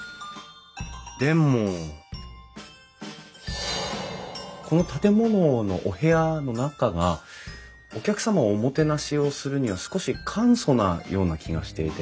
でもこの建物のお部屋の中がお客様をおもてなしをするには少し簡素なような気がしていて。